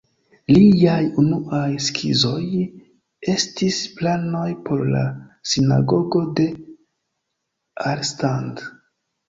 Liaj unuaj skizoj estis planoj por la Sinagogo de Arnstadt.